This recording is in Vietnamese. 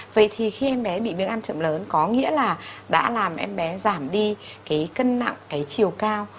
vậy thì khi em bé bị miếng ăn chậm lớn có nghĩa là đã làm em bé giảm đi cái cân nặng cái chiều cao